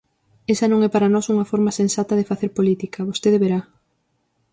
Esa non é para nós unha forma sensata de facer política, ¡vostede verá!